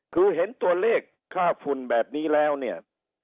คือเห็นตัวเลขค่าฝุ่นแบบนี้แล้วเนี่ย